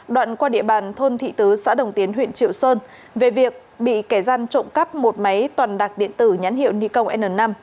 đoạn qua địa bàn thôn thị tứ xã đồng tiến huyện triệu sơn về việc bị kẻ gian trộm cắp một máy toàn đặc điện tử nhãn hiệu nikon n năm